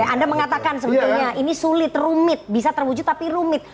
anda mengatakan sebetulnya ini sulit rumit bisa terwujud tapi rumit